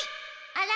あら？